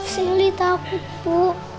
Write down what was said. seli takut bu